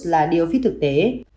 là điều phí thực tế